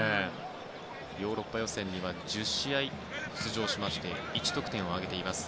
ヨーロッパ予選では１０試合出場しまして１得点を挙げています。